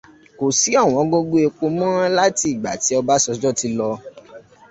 Kò sí ọ̀wọ́ngógó epo mọ́ láti ìgbà tí Ọbásanjọ́ ti lọ